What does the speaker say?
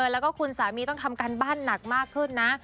แล้วก็คุณสามีต้องทำการบ้านหนักมากขึ้นนะ